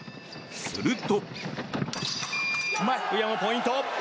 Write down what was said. すると。